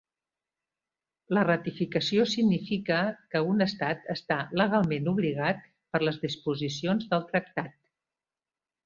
La ratificació significa que un estat està legalment obligat per les disposicions del tractat.